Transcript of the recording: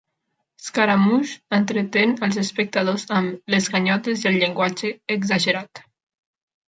Scaramouche entretén els espectadors amb "les ganyotes i el llenguatge exagerat".